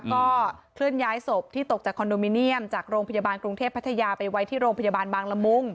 ก็เคลื่อนย้ายศพที่ตกจากคอนโดมิเนียมจากโรงพยาบาลกรุงเทพพัทยาไปไว้ที่โรงพยาบาลบางละมุง